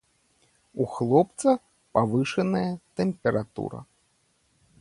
У хлопца павышаная тэмпература.